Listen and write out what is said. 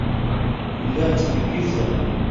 Lliɣ ttneggizeɣ.